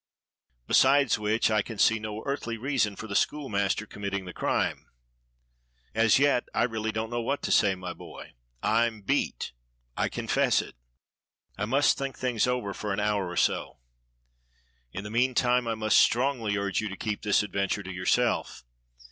Besides which I can see no earthly reason for the school master committing the crime. As yet I really don't know what to say, my boy. I'm beat, I confess it. 1 DOCTOR SYN GIVES SOME ADVICE 75 must think things over for an hour or so. In the mean time I must strongly urge you to keep this adventure to yourself.